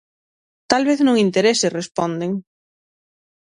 Tal vez non interese, responden.